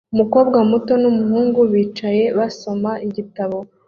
Umukobwa muto n'umuhungu bicaye basoma ibitabo